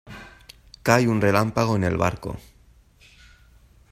Cae un relámpago en el barco.